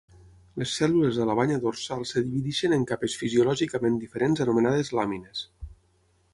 Les cèl·lules a la banya dorsal es divideixen en capes fisiològicament diferents anomenades làmines.